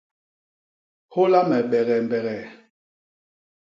Hôla me begee mbegee.